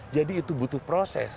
jadi itu butuh proses